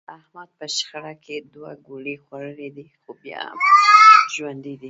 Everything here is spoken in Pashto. احمد په شخړه کې دوه ګولۍ خوړلې دي، خو بیا هم ژوندی دی.